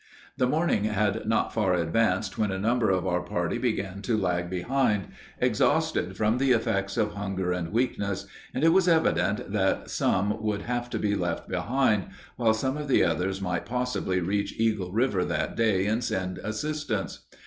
The morning had not far advanced when a number of our party began to lag behind, exhausted from the effects of hunger and weakness, and it was evident that some would have to be left behind, while some of the others might possibly reach Eagle river that day and send assistance.